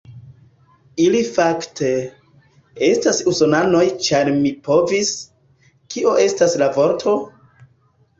Ili fakte, estas usonanoj ĉar mi povis, kio estas la vorto?